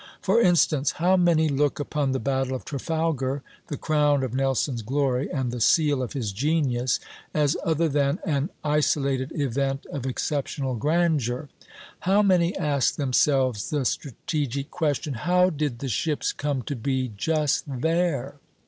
For instance, how many look upon the battle of Trafalgar, the crown of Nelson's glory and the seal of his genius, as other than an isolated event of exceptional grandeur? How many ask themselves the strategic question, "How did the ships come to be just there?"